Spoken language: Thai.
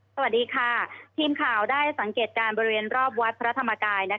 สวัสดีค่ะทีมข่าวได้สังเกตการณ์บริเวณรอบวัดพระธรรมกาย